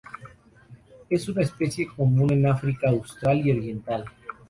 Es una especie común en África austral y oriental.